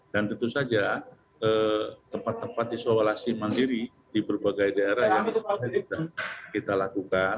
dan tentu saja tempat tempat isolasi mandiri di berbagai daerah yang kita lakukan